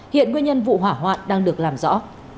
hiện nguyên nhân vụ hỏa hoạn đang được làm rõ